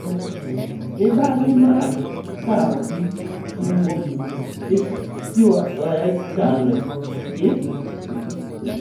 Mibadhi mar kawo gi chiwo asoya ikelo gi